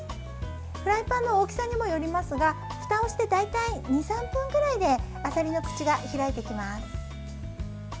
フライパンの大きさにもよりますがふたをして大体２３分くらいであさりの口が開いてきます。